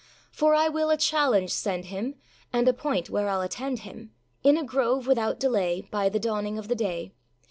âFor I will a challenge send him, And appoint where Iâll attend him, In a grove, without delay, By the dawning of the day.